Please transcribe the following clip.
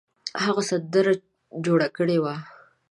هغه سندره جوړه کړې وه.